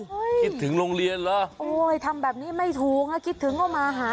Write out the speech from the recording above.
คิดถึงโรงเรียนเหรอโอ้ยทำแบบนี้ไม่ถูกอ่ะคิดถึงก็มาหา